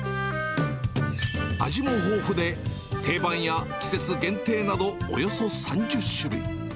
味も豊富で、定番や季節限定など、およそ３０種類。